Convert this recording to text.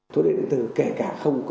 thuốc lá điện tử kể cả không có